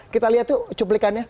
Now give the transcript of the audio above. kita lihat tuh cuplikannya